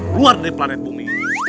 luar dari planet bumi